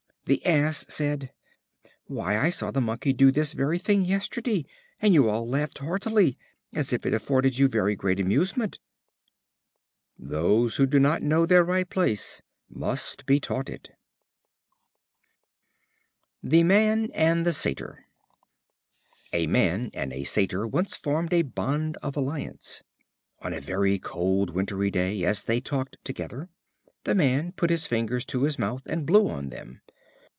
The Ass said: "Why, I saw the Monkey do this very thing yesterday, and you all laughed heartily, as if it afforded you very great amusement." Those who do not know their right place must be taught it. The Man and the Satyr. A Man and a Satyr once formed a bond of alliance. One very cold wintry day, as they talked together, the Man put his fingers to his mouth and blew on them.